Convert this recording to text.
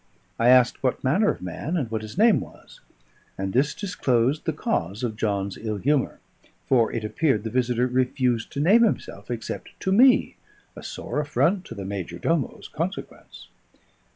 I asked what manner of man, and what his name was; and this disclosed the cause of John's ill humour; for it appeared the visitor refused to name himself except to me, a sore affront to the major domo's consequence.